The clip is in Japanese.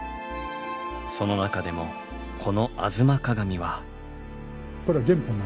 その中でもこの「吾妻鏡」は。